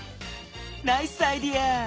ナイスアイデア！